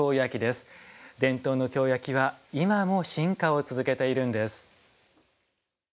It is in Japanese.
伝統の京焼は今も進化を続けているんです。